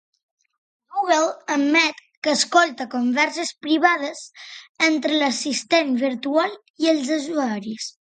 Google admet que escolta converses privades entre l'assistent virtual i els usuaris.